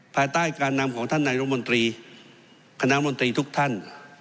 ภายใต้การนำของท่านนายรมนตรีคณะมนตรีทุกท่าน